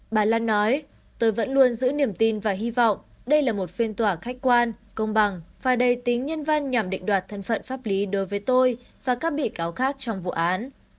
bà lan nói tôi vẫn luôn giữ niềm tin và hy vọng đây là một phiên tòa khách quan công bằng và đầy tính nhân văn nhằm định đoạt thân phận pháp lý đối với tôi và các bị cáo khác trong vụ án